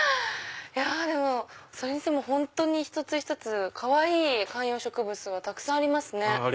それにしても本当に一つ一つかわいい観葉植物がたくさんありますね。